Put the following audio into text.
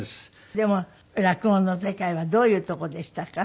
でも落語の世界はどういうとこでしたか？